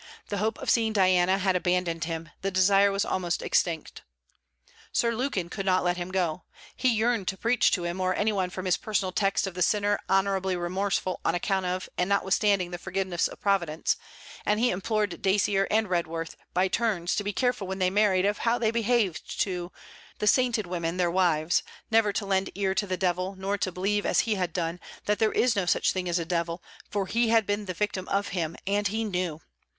The hope of seeing Diana had abandoned him, the desire was almost extinct. Sir Lukin could not let him go. He yearned to preach to him or any one from his personal text of the sinner honourably remorseful on account of and notwithstanding the forgiveness of Providence, and he implored Dacier and Redworth by turns to be careful when they married of how they behaved to the sainted women their wives; never to lend ear to the devil, nor to believe, as he had done, that there is no such thing as a devil, for he had been the victim of him, and he knew.